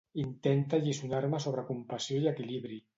Intenta alliçonar-me sobre compassió i equilibri.